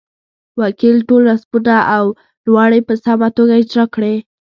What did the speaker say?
وکیل ټول رسمونه او لوړې په سمه توګه اجرا کړې.